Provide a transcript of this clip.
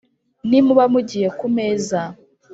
nimuba mugiye kumeza